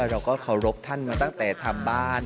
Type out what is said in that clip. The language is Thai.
เราก็เคารพท่านมาตั้งแต่ทำบ้าน